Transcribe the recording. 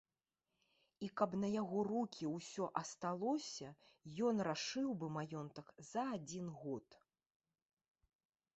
І каб на яго рукі ўсё асталося, ён рашыў бы маёнтак за адзін год.